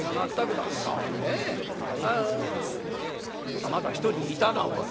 あまだ１人いたなおい。